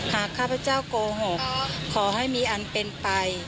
ข้าพเจ้าโกหกขอให้มีอันเป็นไป